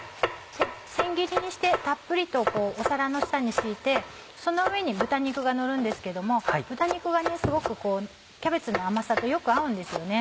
千切りにしてたっぷりと皿の下に敷いてその上に豚肉がのるんですけども豚肉がすごくキャベツの甘さとよく合うんですよね。